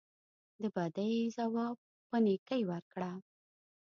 د بدۍ ځواب په نیکۍ ورکړه.